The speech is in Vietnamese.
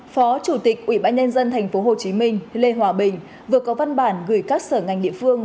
phó chủ tịch ủy ban nhân dân tp hcm lê hòa bình vừa có văn bản gửi các sở ngành địa phương